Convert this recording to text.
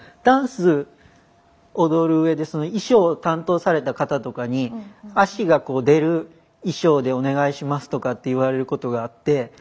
ダンス踊るうえでその衣装を担当された方とかに脚が出る衣装でお願いしますとかって言われることがあって。